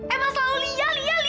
emang selalu lia lia lia lia aja terus